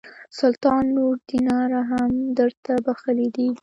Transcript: سلطان نور دیناره هم درته بخښلي دي.